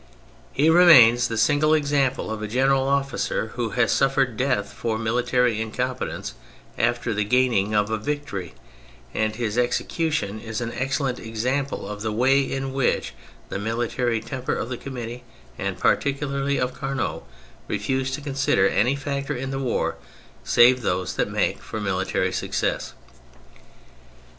He remains the single example of a general officer who has suffered death for military incompetence after the gaining of a victory, and his execution is an excellent example of the way in which the military temper of the Committee, and par ticularly of Carnot, refused to consider any factor in the war save those that make for military success.